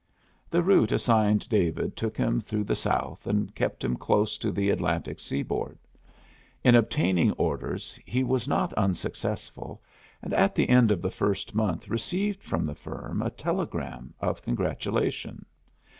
The route assigned David took him through the South and kept him close to the Atlantic seaboard. In obtaining orders he was not unsuccessful, and at the end of the first month received from the firm a telegram of congratulation.